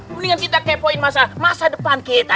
mendingan kita kepoin masa depan kita